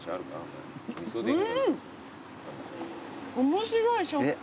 面白い食感。